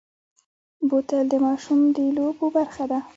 بوتل د ماشوم د لوبو برخه ده.